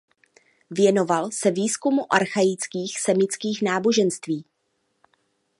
Věnoval se výzkumu archaických semitských náboženství.